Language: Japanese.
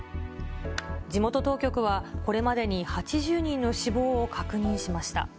地元当局はこれまでに８０人の死亡を確認しました。